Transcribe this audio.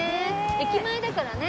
駅前だからね。